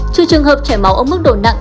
trừ trường hợp chảy máu ở mức độ nặng